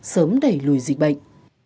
sớm đẩy lùi dịch bệnh